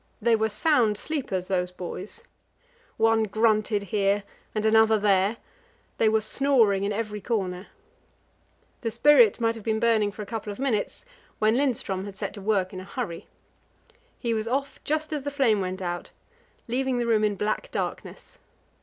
They were sound sleepers, those boys. One grunted here and another there; they were snoring in every corner. The spirit might have been burning for a couple of minutes, when Lindström had to set to work in a hurry. He was off just as the flame went out, leaving the room in black darkness.